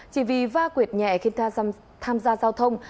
chỉ vì va quyệt nhẹ khiến ta tham gia giao thông